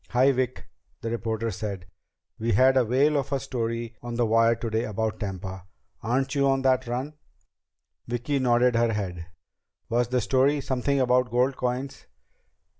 "Hi, Vic!" the reporter said. "We had a whale of a story on the wire today about Tampa. Aren't you on that run?" Vicki nodded her head. "Was the story something about gold coins?"